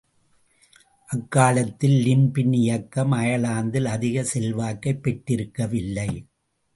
அக்காலத்தில் லின்பின் இயக்கம் அயர்லாந்தில் அதிகச் செல்வாக்கைப் பெற்றிருக்கவில்லை.